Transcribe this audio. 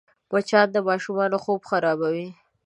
مچان د ماشومانو خوب خرابوي